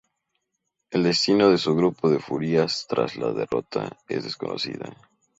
El destino de su grupo de furias tras la derrota, es desconocida.